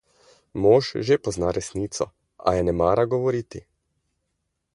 Mož že pozna resnico, a je ne mara govoriti.